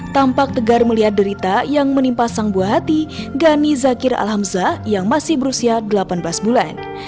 tampak tegar melihat derita yang menimpa sang buah hati gani zakir alhamza yang masih berusia delapan belas bulan